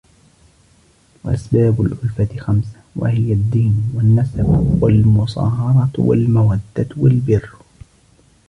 وَأَسْبَابُ الْأُلْفَةِ خَمْسَةٌ وَهِيَ الدِّينُ وَالنَّسَبُ وَالْمُصَاهَرَةُ وَالْمَوَدَّةُ وَالْبِرُّ